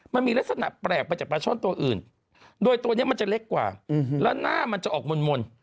มันมีลักษณะแปลกไปจากปลาช่อนตัวอื่นโดยตัวนี้มันจะเล็กกว่าแล้วหน้ามันจะออกมนต์